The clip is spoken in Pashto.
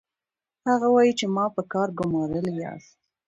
هغه وايي چې ما په کار ګومارلي یاست